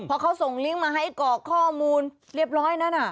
พอเขาส่งลิงก์มาให้กรอกข้อมูลเรียบร้อยนั้น